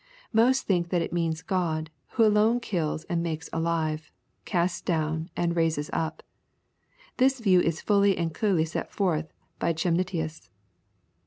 Most think that it means God, who alone kills and makes alive, casts down and raises up. This view is fully and clearly set forth by Chemnitius.